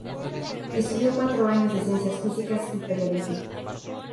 Estudió cuatro años de Ciencias Físicas y Periodismo.